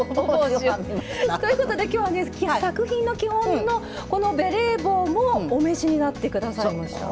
ということで今日はね作品の基本のこのベレー帽もお召しになって下さいました。